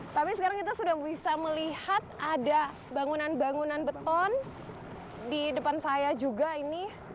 tapi sekarang kita sudah bisa melihat ada bangunan bangunan beton di depan saya juga ini